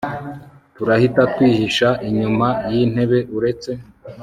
turahita twihisha inyuma yintebe uretse